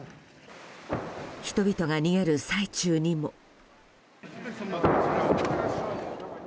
人々が逃げる最中にも。